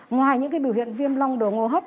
ngoài những biểu hiện viêm long đường hô hấp